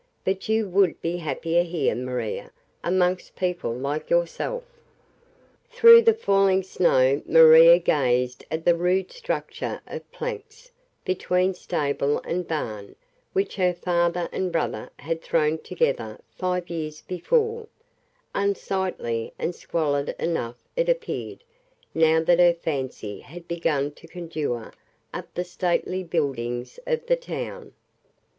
But you would be happier here, Maria, amongst people like yourself." Through the falling snow Maria gazed at the rude structure of planks, between stable and barn, which her father and brother had thrown together five years before; unsightly and squalid enough it appeared, now that her fancy had begun to conjure up the stately buildings of the town.